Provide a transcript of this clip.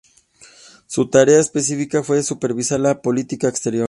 Su tarea específica fue supervisar la política exterior.